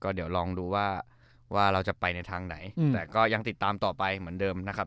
เดี๋ยวลองดูว่าเราจะไปในทางไหนแต่ก็ยังติดตามต่อไปเหมือนเดิมนะครับ